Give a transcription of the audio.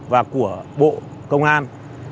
và của bộ công an